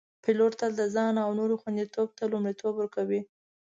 پیلوټ تل د ځان او نورو خوندیتوب ته لومړیتوب ورکوي.